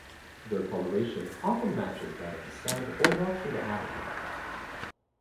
Their coloration often matches that of the sand or rocks in the habitat.